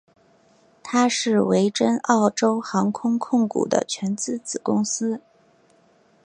它是维珍澳洲航空控股的全资子公司。